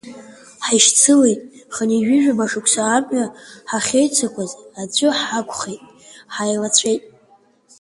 Ҳаишьцылеит, ханҩажәи жәаба шықәса амҩа ҳахьеицықәыз, аӡәы ҳакәхеит, ҳаилаҵәеит.